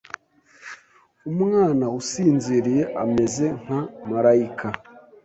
Umwana usinziriye ameze nka malayika.